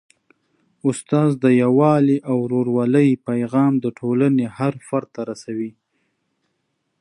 استاد د یووالي او ورورولۍ پیغام د ټولني هر فرد ته رسوي.